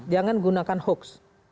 jangan gunakan hoax